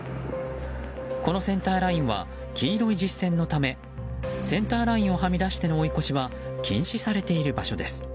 このセンターラインは黄色い実線のためセンターラインをはみ出しての追い越しは禁止されている場所です。